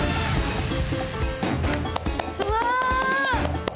うわ！